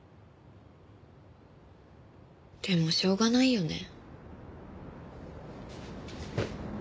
でもしょうがないよね。